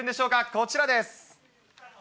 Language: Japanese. こちらです。